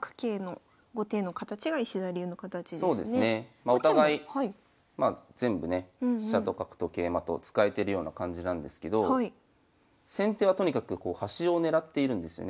まお互い全部ね飛車と角と桂馬と使えてるような感じなんですけど先手はとにかく端をねらっているんですよね。